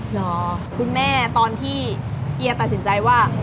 เหรอคุณแม่ตอนที่เฮียตัดสินใจว่า